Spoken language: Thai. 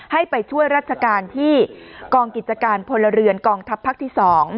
ให้ไปช่วยราชการที่กองกิจการพลเรือนกองทัพภาคที่๒